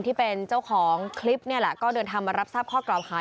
ที่เป็นเจ้าของคลิปนี่แหละก็เดินทางมารับทราบข้อกล่าวหา